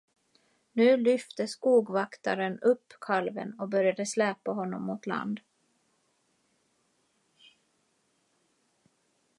Nu lyfte skogvaktaren upp kalven och började släpa honom mot land.